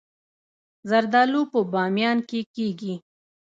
زردالو په بامیان کې کیږي